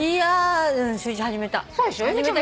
うん習字始めた。